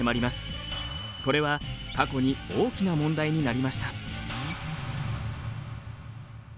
これは過去に大きな問題になりました。